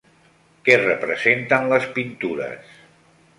Què representen les pintures?